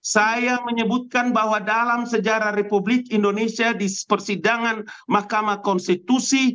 saya menyebutkan bahwa dalam sejarah republik indonesia di persidangan mahkamah konstitusi